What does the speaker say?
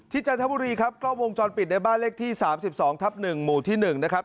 จันทบุรีครับกล้องวงจรปิดในบ้านเลขที่๓๒ทับ๑หมู่ที่๑นะครับ